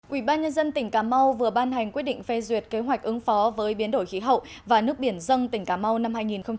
ủy ban nhân dân tỉnh cà mau vừa ban hành quyết định phê duyệt kế hoạch ứng phó với biến đổi khí hậu và nước biển dân tỉnh cà mau năm hai nghìn hai mươi